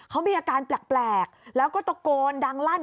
เขามีอาการแปลกแล้วก็ตะโกนดังลั่น